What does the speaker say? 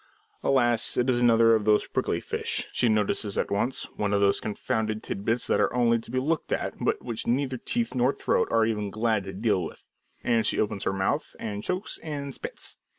Alas, it is another of those prickly fish, she notices at once, one of those confounded tit bits that are only to be looked at, but which neither teeth nor throat are ever glad to deal with; and she opens her mouth and chokes and spits.